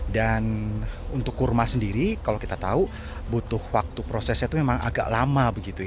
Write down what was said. dan untuk kurma sendiri kalau kita tahu butuh waktu prosesnya itu memang agak lama